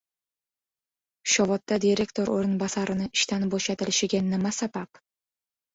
Shovotda direktor o`rinbosarini ishdan bo`shatilishiga nima sabab?